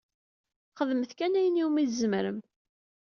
Xedmet kan ayen iwumi tzemrem.